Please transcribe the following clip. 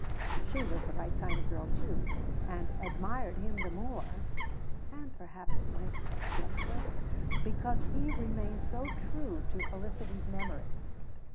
She was the right kind of girl, too, and admired him the more (and perhaps went a step further) because he remained so true to Felicity's memory.